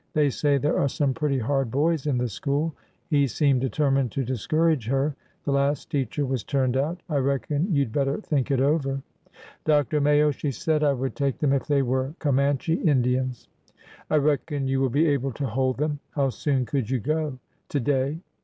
They say there are some pretty hard boys in the school." He seemed determined to discourage her. " The last teacher was turned out. I reckon you 'd better think it over." '' Dr. Mayo," she said ; I would take them if they were Comanche Indians !" I reckon you will be able to hold them ! How soon could you go ?" To day."